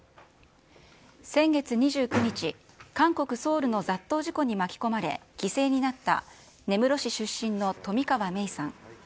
先月２９日、韓国・ソウルの雑踏事故に巻き込まれ犠牲になった、根室市出身の冨川芽生さん。